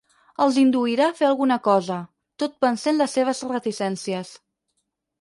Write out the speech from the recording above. Els induirà a fer alguna cosa, tot vencent les seves reticències.